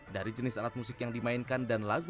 dari jenis alat musik yang dimainkan dan lagu